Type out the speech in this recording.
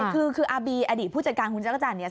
คืออาบีอดีตผู้จัดการคุณจักรจันทร์เนี่ย